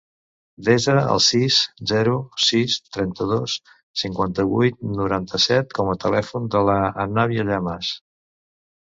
Desa el sis, zero, sis, trenta-dos, cinquanta-vuit, noranta-set com a telèfon de l'Anabia Llamas.